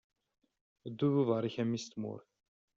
Ddu d uḍar-ik a mmi-s n tmurt!